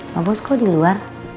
pak bos kok diluar